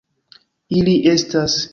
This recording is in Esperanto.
Ili estas.